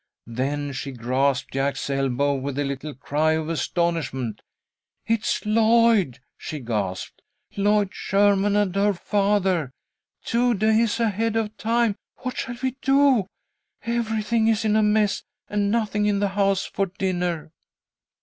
Then she grasped Jack's elbow with a little cry of astonishment. "It's Lloyd!" she gasped. "Lloyd Sherman and her father, two days ahead of time. What shall we do? Everything is in a mess, and nothing in the house for dinner!"